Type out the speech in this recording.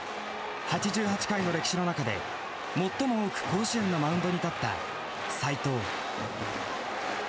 ８８回の歴史の中で最も多く甲子園のマウンドに立った斎藤。